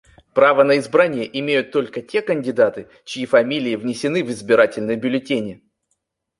Право на избрание имеют только те кандидаты, чьи фамилии внесены в избирательные бюллетени.